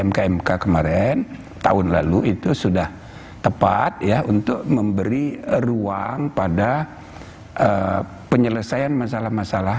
mkmk kemarin tahun lalu itu sudah tepat ya untuk memberi ruang pada penyelesaian masalah masalah